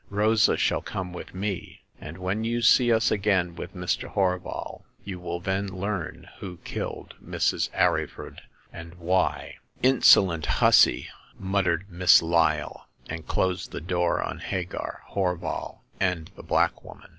" Rosa shall come with me ; and when you see us again with Mr. Horval, you will then learn who killed Mrs. Arryford, and why." " Insolent hussy !" muttered Miss Lyle, and closed the door on Hagar, Horval and the black woman.